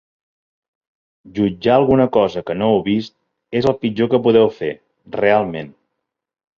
Jutjar alguna cosa que no heu vist és el pitjor que podeu fer, realment.